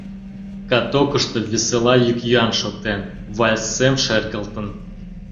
Катокышто весела йӱк-йӱан шоктен, вальс сем шергылтын.